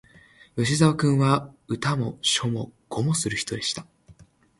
吉沢君は、歌も書も碁もする人でした